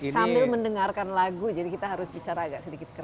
sambil mendengarkan lagu jadi kita harus bicara agak sedikit